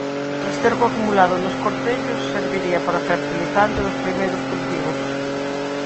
O esterco acumulado nos cortellos serviría para fertilizante dos primeiros cultivos.